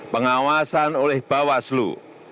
pengawasan oleh bawaslu